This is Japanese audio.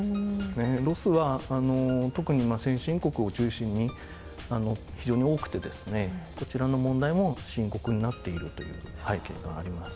ロスは特に先進国を中心に非常に多くてですねこちらの問題も深刻になっているという背景があります。